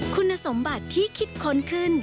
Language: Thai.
คุณสมบัติที่คิดค้นขึ้น